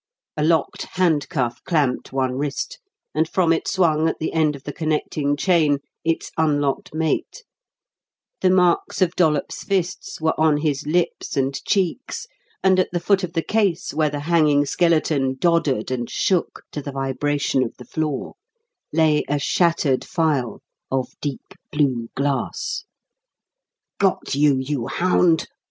A locked handcuff clamped one wrist, and from it swung, at the end of the connecting chain, its unlocked mate; the marks of Dollops' fists were on his lips and cheeks, and at the foot of the case, where the hanging skeleton doddered and shook to the vibration of the floor, lay a shattered phial of deep blue glass. "Got you, you hound!"